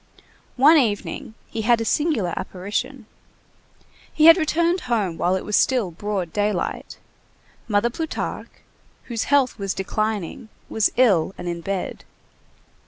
One evening he had a singular apparition. He had returned home while it was still broad daylight. Mother Plutarque, whose health was declining, was ill and in bed.